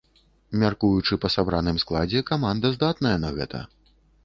Мяркуючы па сабраным складзе, каманда здатная на гэта.